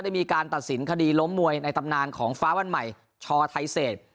มีการตัดสินคดีล้มมวยในตำนานของฟ้าวันใหม่ชอไทยเศษ